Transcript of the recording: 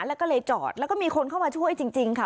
แล้วก็เลยจอดแล้วก็มีคนเข้ามาช่วยจริงค่ะ